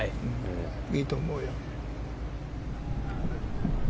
いいと思うよ。